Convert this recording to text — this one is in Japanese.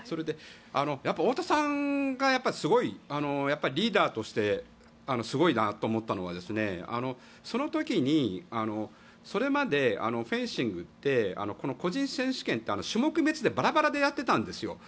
やっぱり太田さんがリーダーとしてすごいなと思ったのは、その時にそれまでフェンシングってこの個人選手権って種目別でばらばらでやってたんですよ。